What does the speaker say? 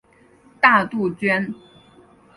大杜鹃。